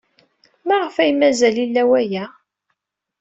Maɣef ay mazal ila aya?